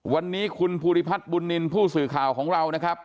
วันนี้คุณภูริพัฒน์บุญนินทร์ผู้สื่อข่าวของเรานะครับ